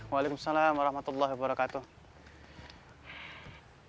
waalaikumsalam warahmatullahi wabarakatuh